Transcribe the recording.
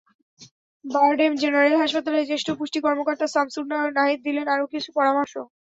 BIRDEM general হাসপাতালের জ্যেষ্ঠ পুষ্টি কর্মকর্তা শামসুন্নাহার নাহিদ দিলেন আরও কিছু পরামর্শ।